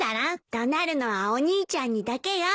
怒鳴るのはお兄ちゃんにだけよ。